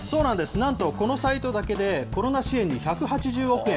なんとこのサイトだけで、コロナ支援に１８０億円。